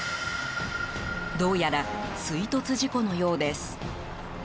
どうやら追突事故のようです。